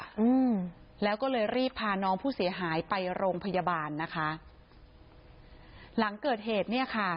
อืมแล้วก็เลยรีบพาน้องผู้เสียหายไปโรงพยาบาลนะคะหลังเกิดเหตุเนี้ยค่ะ